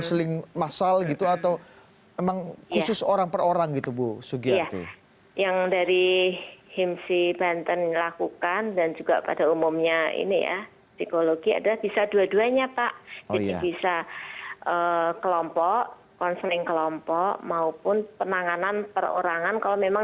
penanganan perorangan kalau memang